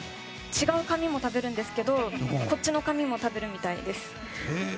違う紙も食べるんですけどこっちの髪も食べるみたいです。